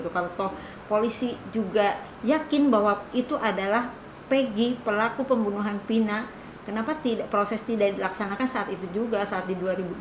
kalau polisi juga yakin bahwa itu adalah pegi pelaku pembunuhan pina kenapa proses tidak dilaksanakan saat itu juga saat di dua ribu dua puluh